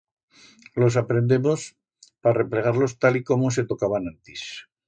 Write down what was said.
Los aprendemos pa replegar-los tal y como se tocaban antis.